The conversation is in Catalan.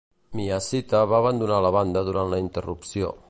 Miyashita va abandonar la banda durant la interrupció.